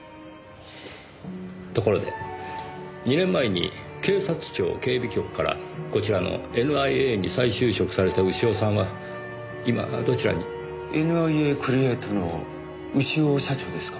ところで２年前に警察庁警備局からこちらのＮＩＡに再就職された潮さんは今どちらに？ＮＩＡクリエイトの潮社長ですか？